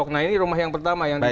nah ini rumah yang pertama yang di